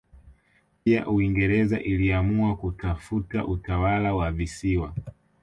Pia Uingereza iliamua kutafuta utawala wa visiwa